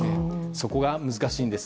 そこが難しいんです。